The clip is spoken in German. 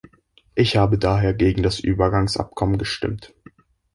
Ich habe daher gegen das Übergangsabkommen gestimmt.